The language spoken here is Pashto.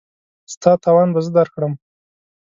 ستا تاوان به زه درکړم.